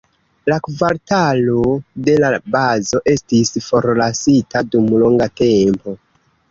La kvartalo de la bazo estis forlasita dum longa tempo.